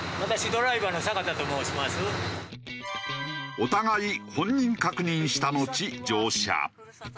お互い本人確認したのち乗車。